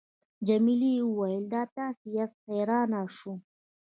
جميلې وويل:: دا تاسي یاست، حیرانه شوم.